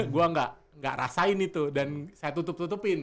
gue gak rasain itu dan saya tutup tutupin